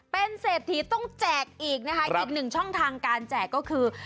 เป็นเศรษฐีต้องแจกอีกนะคะอีกหนึ่งช่องทางการแจกก็คือ